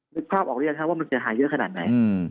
นึกภาพออกได้ไหมว่ามันจะหายเยอะขนาดไหน